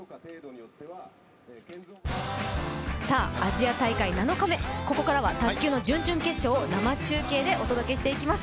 アジア大会７日目、ここからは卓球の準々決勝を生中継でお伝えしていきます。